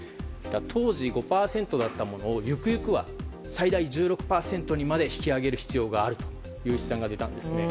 当時５％だったものをゆくゆくは最大１６％にまで引き上げる必要があるという試算が出たんです。